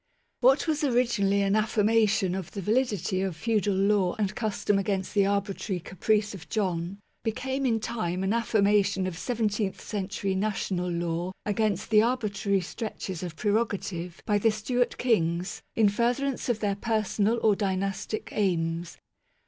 What was originally an affirmation of the validity of feudal law and custom against the arbitrary caprice of John, became in time an affirmation of seventeenth century national law against the arbitrary stretches of prerogative by the Stewart Kings in furtherance of their personal or dynastic aims.